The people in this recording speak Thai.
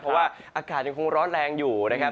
เพราะว่าอากาศยังคงร้อนแรงอยู่นะครับ